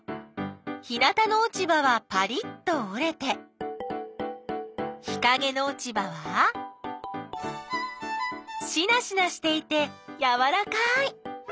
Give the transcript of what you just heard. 日なたのおちばはパリッとおれて日かげのおちばはしなしなしていてやわらかい！